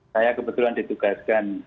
saya kebetulan ditugaskan